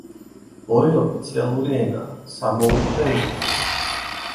ორი ოფიციალური ენაა: სამოური და ინგლისური.